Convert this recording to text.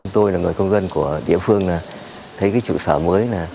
tôi là người công dân của địa phương thấy trụ sở mới